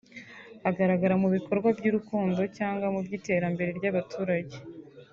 agaragara mu bikorwa by’urukundo cyangwa mu by’iterambere ry’abaturage